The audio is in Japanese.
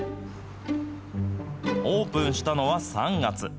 オープンしたのは３月。